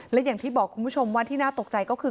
และอย่างที่บอกคุณผู้ชมว่าที่น่าตกใจก็คือ